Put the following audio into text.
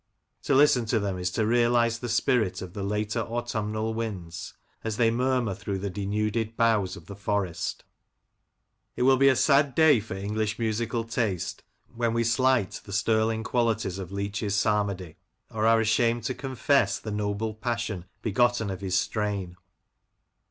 To listen to them is to realise the spirit of the later autumnal winds as they murmur through the denuded boughs of the forest It will be a sad day for English musical taste when we slight the sterling qualities of Leach's psalmody, or are ashamed to confess the noble passion begotten of his strain.